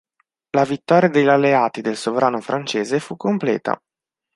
La vittoria degli alleati del sovrano francese fu completa.